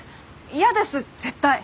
嫌です絶対！